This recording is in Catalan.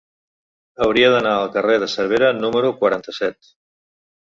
Hauria d'anar al carrer de Cervera número quaranta-set.